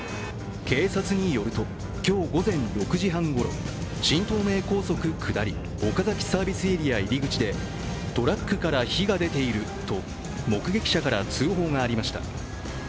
警察によると今日午前６時半ごろ、新東名高速下り岡崎サービスエリア入口でトラックから火が出ていると目撃者から通報がありました。